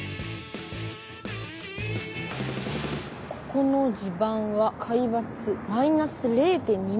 「ここの地盤は海抜−０．２ｍ」。